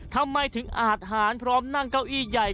ทำไมถึงอาทหารพร้อมนั่งเก้าอี้ใหญ่